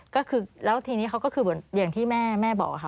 ก็คือแล้วทีนี้เขาก็คืออย่างที่แม่บอกค่ะ